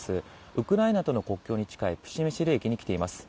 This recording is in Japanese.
ウクライナとの国境に近いプシェミシル駅に来ています。